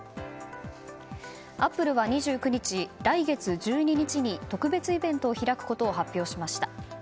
アップルは２９日、来月１２日に特別イベントを開くことを発表しました。